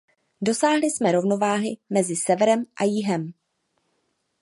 Dosáhli jsme rovnováhy mezi severem a jihem.